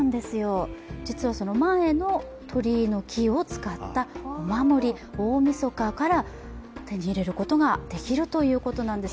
実は前の鳥居の木を使ったお守り、大みそかから手に入れることができるということなんです。